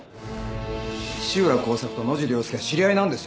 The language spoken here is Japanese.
西浦幸作と野尻要介は知り合いなんですよ。